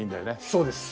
そうです。